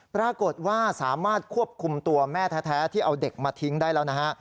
ปรากฏว่าสามารถควบคุมตัวแม่แท้ที่เอาเด็กมาทิ้งได้แล้วนะฮะ